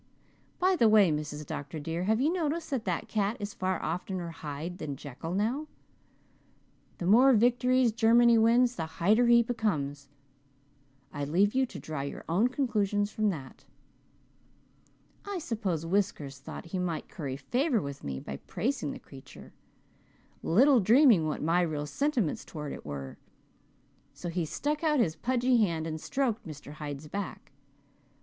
By the way, Mrs. Dr. dear, have you noticed that that cat is far oftener Hyde than Jekyll now? The more victories Germany wins the Hyder he becomes. I leave you to draw your own conclusions from that. I suppose Whiskers thought he might curry favour with me by praising the creature, little dreaming what my real sentiments towards it were, so he stuck out his pudgy hand and stroked Mr. Hyde's back.